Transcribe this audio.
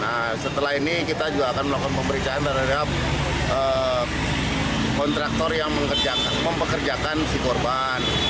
nah setelah ini kita juga akan melakukan pemeriksaan terhadap kontraktor yang mempekerjakan si korban